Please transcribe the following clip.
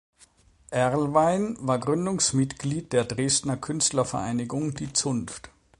Erlwein war Gründungsmitglied der Dresdner Künstlervereinigung Die Zunft.